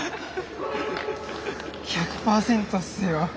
１００％っすよ。